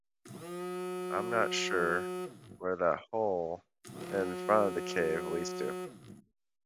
I'm not sure where that hole in front of the cave leads to.